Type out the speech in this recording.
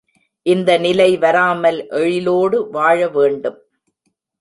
இந்த நிலை வராமல் எழிலோடு வாழவேண்டும்.